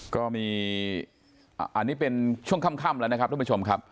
ก็มีอันนี้เป็นช่วงค่ำแล้วนะครับทุกผู้ชมครับ